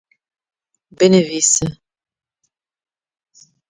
Binivîse